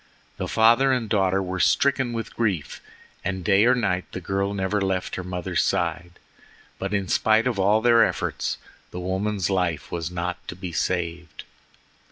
The father and daughter were stricken with grief, and day or night the girl never left her mother's side. But in spite of all their efforts the woman's life was not to be saved.